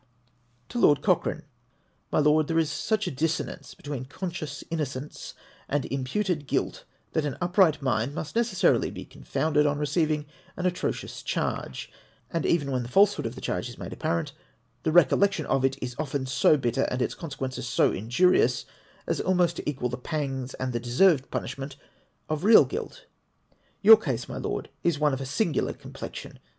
TO LOED COCIIEANE. My Lord, — There is such a dissonance between conscious innocence and imputed guilt, that an upright mind must necessarily be confounded on receiving an atrocious charge ; and even when the falsehood of the charge is made apparent, the recollection of it is often so bitter, and its consequences so injurious, as almost to equal the pangs and the deserved punisliment of real guilt. Your case, my Lord, is one of a singular complexion.